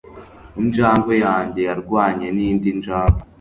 Injangwe yanjye yarwanye nindi njangwe